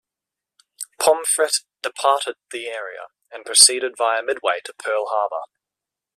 "Pomfret" departed the area and proceeded via Midway to Pearl Harbor.